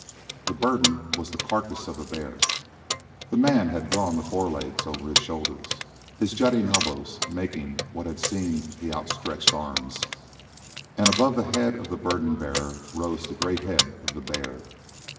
The burden was the carcass of a bear; the man had drawn the forelegs over his shoulders his jutting elbows making what had seemed the outstretched arms and above the head of the burden bearer rose the great head of the bear.